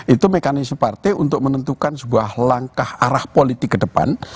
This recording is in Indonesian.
itu mekanisme partai untuk menentukan sebuah langkah arah politik ke depan